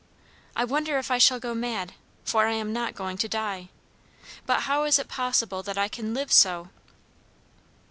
I wonder if I shall go mad? for I am not going to die. But how is it possible that I can live _so?